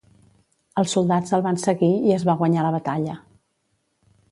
Els soldats el van seguir i es va guanyar la batalla.